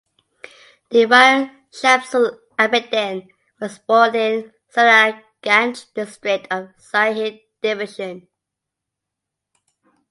Dewan Shamsul Abedin was born in Sunamganj district of Sylhet division.